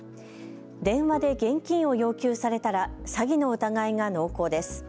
電話で現金を要求されたら詐欺の疑いが濃厚です。